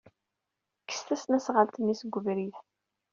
Kkes tasnasɣalt-nni seg ubrid.